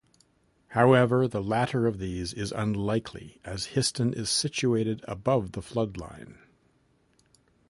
However, the latter of these is unlikely as Histon is situated above the floodline.